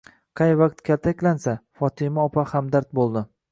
Qay vaqt kaltaklansa, Fotima opa hamdard bo'ldi.